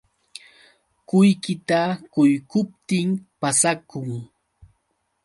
Qullqita quykuptin pasakun.